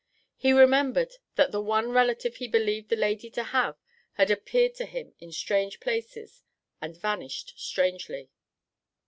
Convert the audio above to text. He remembered that the one relative he believed the lady to have had appeared to him in strange places and vanished strangely.